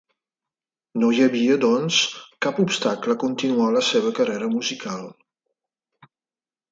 No hi havia doncs cap obstacle a continuar la seva carrera musical.